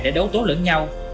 để đấu tố lẫn nhau